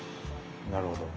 なるほど。